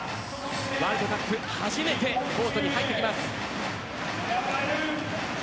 ワールドカップ初めてコートに入ってきます。